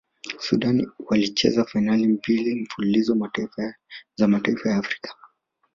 sudan walicheza fainali mbili mfululizo za mataifa ya afrika